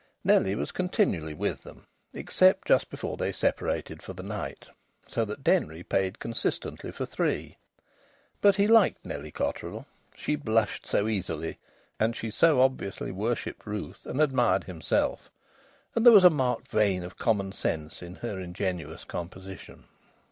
Nellie was continually with them, except just before they separated for the night. So that Denry paid consistently for three. But he liked Nellie Cotterill. She blushed so easily, and she so obviously worshipped Ruth and admired himself, and there was a marked vein of common sense in her ingenuous composition.